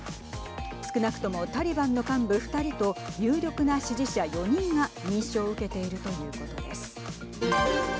少なくともタリバンの幹部２人と有力な支持者４人が認証を受けているということです。